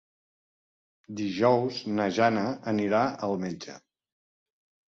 Dijous na Jana anirà al metge.